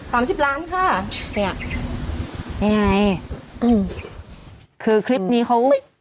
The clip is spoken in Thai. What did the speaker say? สามสิบล้านอะค่ะเนี้ยนี่ไงขึ้นคือคลิปนี้เขาไม่น่า